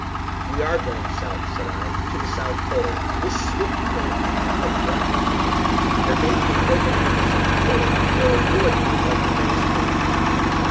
"We are going south," said I "to the South Pole. This swift current can have but one ending there may be an opening at the South Pole, or a whirlpool like the Maelstrom."